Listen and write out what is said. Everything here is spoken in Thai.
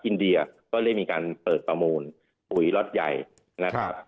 อินเดียก็ได้มีการเปิดประมูลปุ๋ยล็อตใหญ่นะครับ